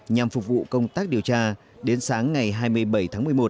nhằm phục vụ công tác điều tra đến sáng ngày hai mươi bảy tháng một mươi một